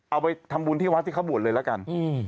เอาไปทำบุญที่วุฒิข้าบูรณ์เลยล่ะกัน